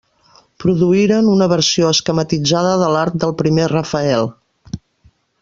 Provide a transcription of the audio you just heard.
Produïren una versió esquematitzada de l'art del primer Rafael.